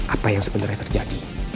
apa yang sebenarnya terjadi